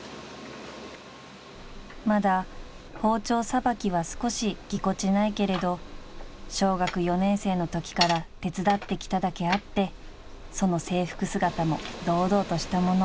［まだ包丁さばきは少しぎこちないけれど小学４年生のときから手伝ってきただけあってその制服姿も堂々としたもの］